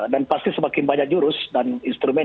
dan pasti semakin banyak jurus dan instrumen